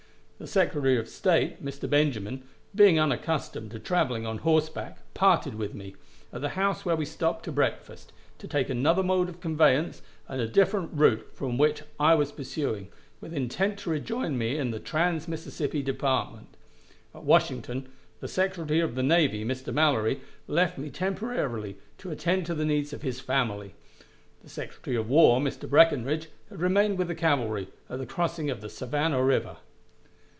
The Secretary of State, Mr. Benjamin, being unaccustomed to traveling on horseback, parted from me, at the house where we stopped to breakfast, to take another mode of conveyance and a different route from that which I was pursuing, with intent to rejoin me in the trans Mississippi Department. At Washington, the Secretary of the Navy, Mr. Mallory, left me temporarily to attend to the needs of his family. The Secretary of War, Mr. Breckinridge, had remained with the cavalry at the crossing of the Savannah River.